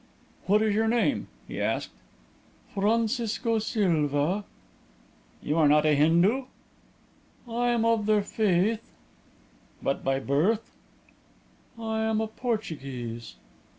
"What is your name?" he asked. "Francisco Silva." "You are not a Hindu?" "I am of their faith." "But by birth?" "I am a Portuguese."